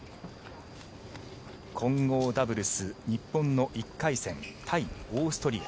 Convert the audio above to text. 混合ダブルス日本の１回戦対オーストリア。